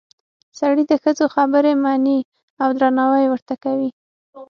سړي د ښځو خبرې مني او درناوی ورته کوي